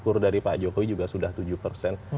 kur dari pak jokowi juga sudah tujuh persen